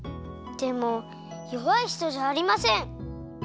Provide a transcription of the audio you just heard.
でもよわいひとじゃありません！